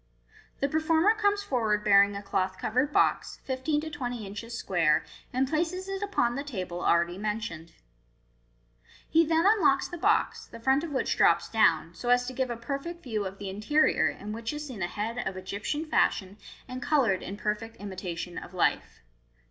The performer comes forward bearing a cloth covered box, fifteen to twenty inches square, and places it upon the table already mentioned. He then unlocks the box, the front of which drops down, so as to give a perfect view of the interior, in which is seen a head of Egyptian fashion, and coloured in perfect imitation of life.